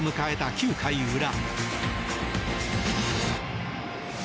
９回裏。